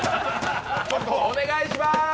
お願いします！